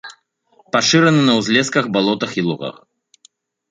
Пашыраны на ўзлесках, балотах і лугах.